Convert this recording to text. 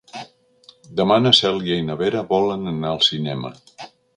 Demà na Cèlia i na Vera volen anar al cinema.